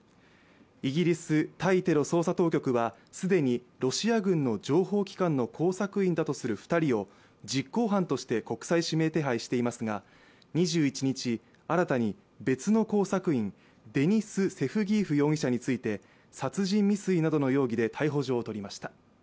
イギリス対テロ捜査当局は既にロシア軍の情報機関の工作員だとする２人を実行犯として国際指名手配していますが、２１日、新たに別の工作員、デニス・セフギーフ容疑者について殺人未遂などの容疑で逮捕状を取りました。